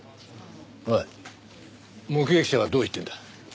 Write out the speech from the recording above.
おい目撃者はどう言ってるんだ？